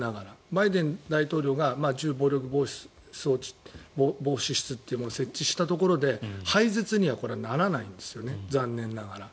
バイデン大統領が銃暴力防止室というものを設置したところで、廃絶にはこれはならないんですよね残念ながら。